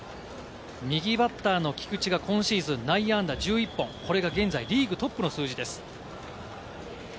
右バッターの菊地が今シーズン内野安打１１本、これが現在リーグトップの数字です。